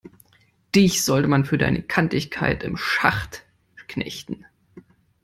Dich sollte man für deine Kantigkeit im Schacht knechten!